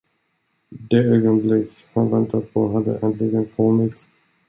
Det ögonblick, han väntat på, hade äntligen kommit.